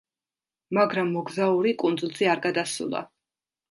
მაგრამ მოგზაური კუნძულზე არ გადასულა.